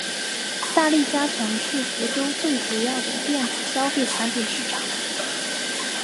大利嘉城是福州最主要的电子消费产品市场。